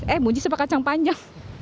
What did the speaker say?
eh buncis apa kacang panjang